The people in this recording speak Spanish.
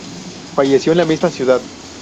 Falleció en la misma ciudad.